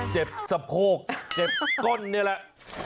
เจ็บสับโคกเจ็บกล้อนเนี่ยแหละ